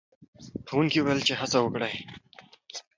ښوونکی وویل چې هڅه وکړئ.